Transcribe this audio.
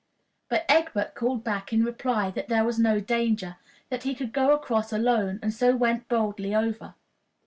But Egbert called back in reply that there was no danger, that he could go across alone, and so went boldly over.